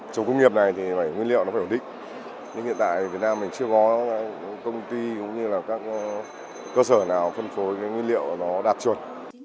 chủ công nghiệp này thì nguyên liệu nó phải đủ đích nhưng hiện tại việt nam mình chưa có công ty cũng như các cơ sở nào phân phối nguyên liệu nó đạt chuẩn